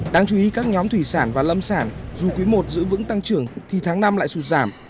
đáng chú ý các nhóm thủy sản và lâm sản dù quý i giữ vững tăng trưởng thì tháng năm lại sụt giảm